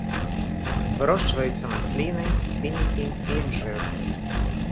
Вырошчваюцца масліны, фінікі і інжыр.